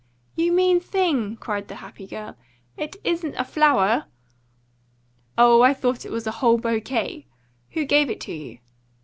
"You mean thing!" cried the happy girl. "It isn't a flower!" "Oh, I thought it was a whole bouquet. Who gave it to you?"